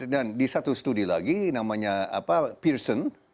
dan di satu studi lagi namanya pearson